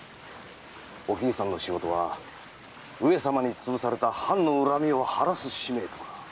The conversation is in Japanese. お桐さんの仕事は上様に潰された藩の恨みを晴らす使命とか。